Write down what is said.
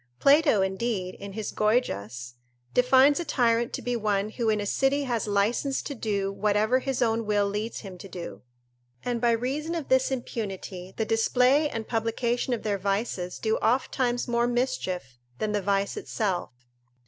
Plato, indeed, in his Goygias, defines a tyrant to be one who in a city has licence to do whatever his own will leads him to do; and by reason of this impunity, the display and publication of their vices do ofttimes more mischief than the vice itself.